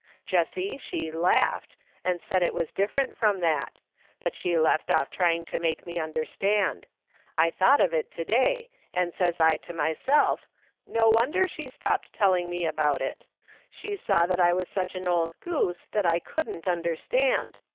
Jessie she laughed, and said it was different from that ; but she left off trying to make me understand. I thought of it to day, and says I to myself, no wonder she stopped telling me about it; she saw that I was such an old goose that I couldn't understand